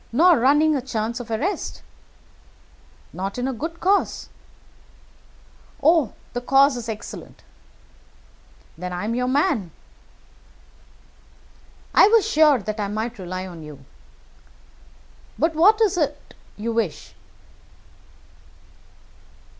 "Nor running a chance of arrest?" "Not in a good cause." "Oh, the cause is excellent!" "Then I am your man." "I was sure that I might rely on you." "But what is it you wish?"